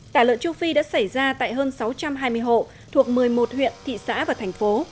tả lợn châu phi đã xảy ra tại hơn sáu trăm hai mươi hộ thuộc một mươi một huyện thị xã và thành phố